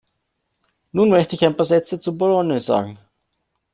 Nun möchte ich ein paar Sätze zu Bologna sagen.